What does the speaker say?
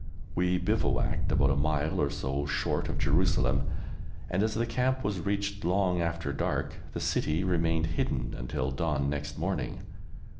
We bivouacked about a mile or so short of Jerusalem, and, as the camp was reached long after dark, the City remained hidden until dawn next morning.